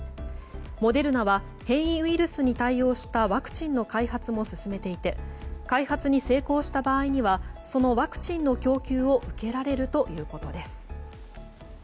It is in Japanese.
モデルナは変異ウイルスに対応したワクチンの開発も進めていて開発に成功した場合にはそのワクチンの供給を受けられるということです。